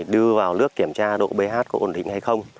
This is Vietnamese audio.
đưa vào nước kiểm tra độ ph có ổn định hay không